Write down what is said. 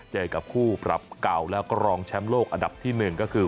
เจอกับคู่ปรับเก่าแล้วก็รองแชมป์โลกอันดับที่๑ก็คือ